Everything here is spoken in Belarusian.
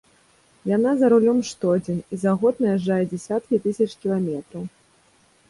Яна за рулём штодзень, і за год наязджае дзясяткі тысяч кіламетраў.